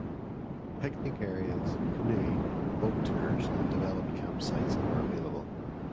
Picnic areas, canoeing, boat tours, and developed campsites are available.